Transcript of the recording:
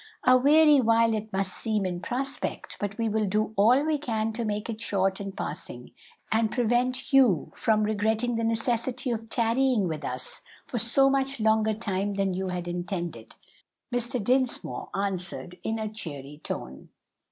"A weary while it must seem in prospect. But we will do all we can to make it short in passing and prevent you from regretting the necessity of tarrying with us for so much longer time than you had intended," Mr. Dinsmore answered in a cheery tone.